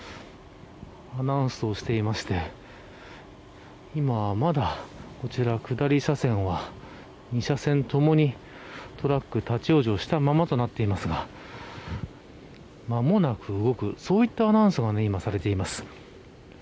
アナウンスをしていまして今まだ、こちら下り車線は２車線ともにトラック、立ち往生したままとなっていますが間もなく動くそういったアナウンスが今、されています。